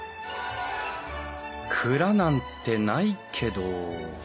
蔵なんてないけど？